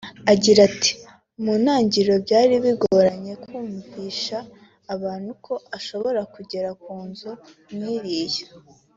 Agira ati ʺMu ntangiriro byari bigoranye kumvisha abantu ko bashobora kugera ku nzu nk’iriya